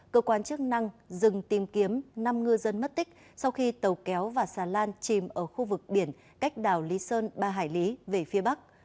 cơ quan chức năng dừng tìm kiếm năm ngư dân mất tích sau khi tàu kéo và xà lan chìm ở khu vực biển cách đảo lý sơn ba hải lý về phía bắc